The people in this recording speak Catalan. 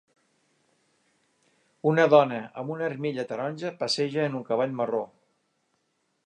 Una dona amb una armilla taronja passeja en un cavall marró.